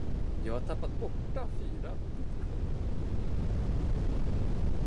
Jag har tappat borta fyra bitcoin.